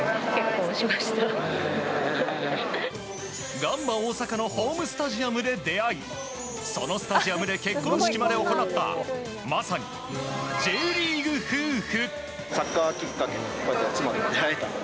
ガンバ大阪のホームスタジアムで出会いそのスタジアムで結婚式まで行ったまさに、Ｊリーグ夫婦。